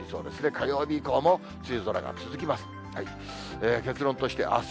火曜日以降も梅雨空が続きます。